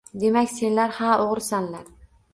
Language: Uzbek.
Demak senlar ha o‘g‘risanlar!